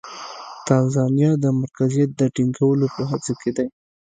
تانزانیا د مرکزیت د ټینګولو په هڅه کې دی.